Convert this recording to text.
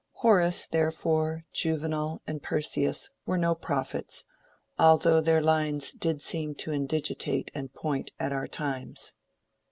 Horace, therefore, Juvenal, and Persius, were no prophets, although their lines did seem to indigitate and point at our times.